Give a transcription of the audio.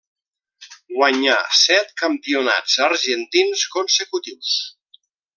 Guanyà set campionats argentins consecutius.